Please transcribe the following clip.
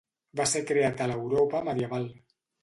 Va ser creat a l'Europa medieval.